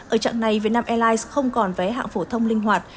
ở trạng này vietnam airlines không còn vé hạng phổ thông linh hoạt